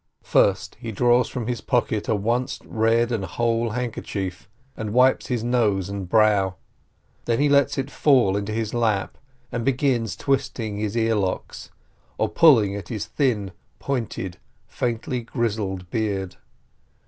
First he draws from his pocket a once red and whole handkerchief, and wipes his nose and brow, then he lets it fall into his lap, and begins twisting his earlocks or pulling at his thin, pointed, faintly grizzled beard.